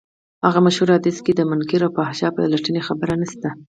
هغه مشهور حديث کې د منکر او فحشا د پلټنې خبره نشته.